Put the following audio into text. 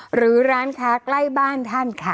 หรือร้านค้าใกล้บ้านท่านค่ะ